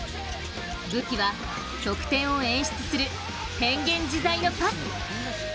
武器は得点を演出する変幻自在のパス。